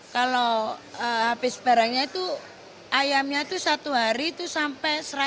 kalau habis barangnya itu ayamnya satu hari sampai